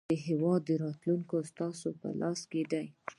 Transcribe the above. د هیواد راتلونکی ستا په لاس کې دی.